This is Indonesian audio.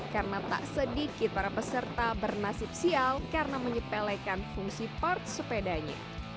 karena tak sedikit para peserta bernasib sial karena menyepelekan fungsi part sepedanya